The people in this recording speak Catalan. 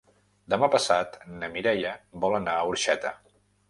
Demà passat na Mireia vol anar a Orxeta.